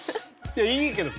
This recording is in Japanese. いやいいけど。